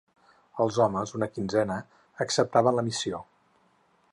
Els homes, una quinzena, accepten la missió.